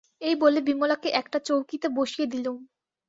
এই বলে বিমলাকে একটা চৌকিতে বসিয়ে দিলুম।